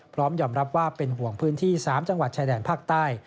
พร้อมยอมรับว่าเป็นห่วงพื้นที่๓จังหวัดชายแดนภาคใต้